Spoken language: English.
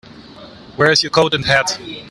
Where's your coat and hat?